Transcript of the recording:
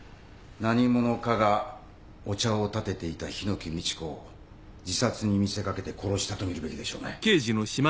何者かがお茶を点てていた檜美智子を自殺に見せかけて殺したとみるべきでしょうね。